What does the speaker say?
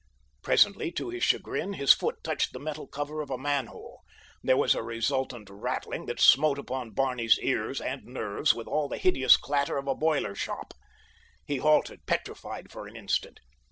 Presently to his chagrin his foot touched the metal cover of a manhole; there was a resultant rattling that smote upon Barney's ears and nerves with all the hideous clatter of a boiler shop. He halted, petrified, for an instant.